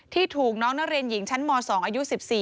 ถูกน้องนักเรียนหญิงชั้นม๒อายุ๑๔